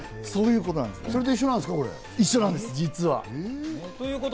それと一緒なんです、実は。